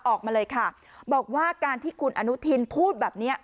ออกมาเลยค่ะบอกว่าการที่คุณอนุทินพูดแบบนี้